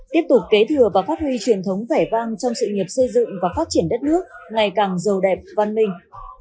tiếp tục kế thừa và phát huy truyền thống vẻ vang trong sự nghiệp xây dựng và phát triển đất nước ngày càng giàu đẹp văn minh